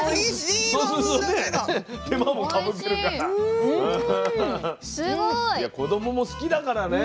いや子どもも好きだからね。